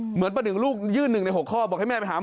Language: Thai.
เหมือนประหนึ่งลูกยื่น๑ใน๖ข้อบอกให้แม่ไปหาหมอ